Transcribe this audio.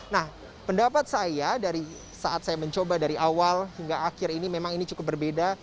nah pendapat saya dari saat saya mencoba dari awal hingga akhir ini memang ini cukup berbeda